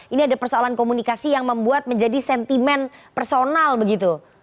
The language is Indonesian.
ini ada persoalan komunikasi yang membuat menjadi sentimen personal begitu